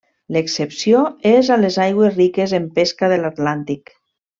L'excepció és a les aigües riques en pesca de l'Atlàntic.